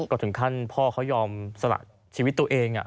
ก็ถึงขั้นพ่อเขายอมสละชีวิตตัวเอง